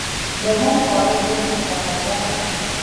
د هند خواړه ډیر مساله دار دي.